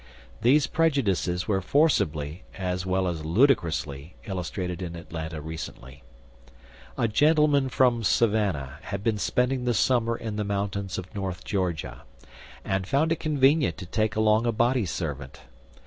These prejudices were forcibly, as well as ludicrously, illustrated in Atlanta recently. A gentleman from Savannah had been spending the summer in the mountains of north Georgia, and found it convenient to take along a body servant.